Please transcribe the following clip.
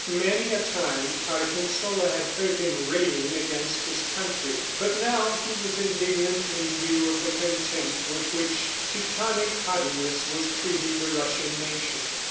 Many a time Argensola had heard him railing against his country, but now he was indignant in view of the contempt with which Teutonic haughtiness was treating the Russian nation.